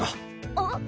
あっ？